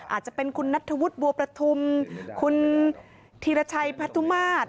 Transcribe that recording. อาจจะเป็นคุณนัทธวุฒิบัวประทุมคุณธีรชัยพัทธุมาตร